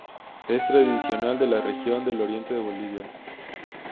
Es tradicional de la región del Oriente de Bolivia.